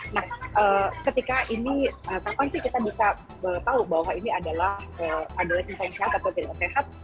nah ketika ini kapan sih kita bisa tahu bahwa ini adalah cinta yang sehat atau tidak sehat